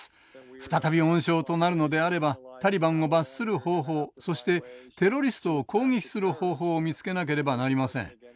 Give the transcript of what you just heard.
再び温床となるのであればタリバンを罰する方法そしてテロリストを攻撃する方法を見つけなければなりません。